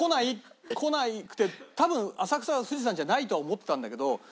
こなくて多分浅草や富士山じゃないとは思ってたんだけど。